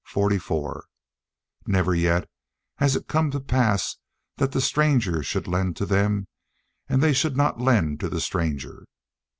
44); never yet has it come to pass that the stranger should lend to them, and they should not lend to the stranger.